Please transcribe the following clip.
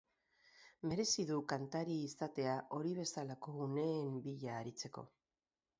Merezi du kantari izatea hori bezalako uneen bila aritzeko.